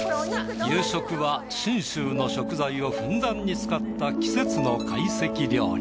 夕食は信州の食材をふんだんに使った季節の会席料理。